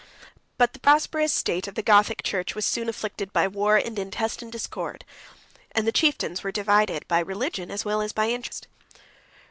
75 But the prosperous state of the Gothic church was soon afflicted by war and intestine discord, and the chieftains were divided by religion as well as by interest.